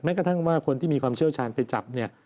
กระทั่งว่าคนที่มีความเชี่ยวชาญไปจับเนี่ย